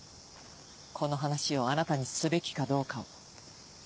この話をあなたにすべきがどうかを。